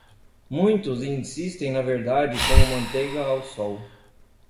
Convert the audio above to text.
Muitos insistem na verdade como manteiga ao sol.